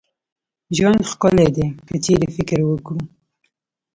ژوند ښکلې دي که چيري فکر وکړو